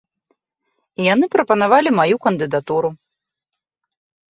І яны прапанавалі маю кандыдатуру.